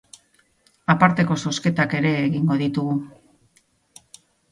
Aparteko zozketak ere egingo ditugu.